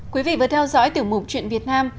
quý vị vừa theo dõi tiểu mục chuyện việt nam